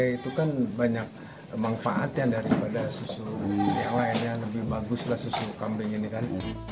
itu kan banyak manfaat daripada susu yang lain lebih baguslah susu kambing ini kan